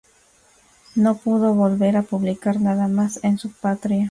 No pudo volver a publicar nada más en su patria.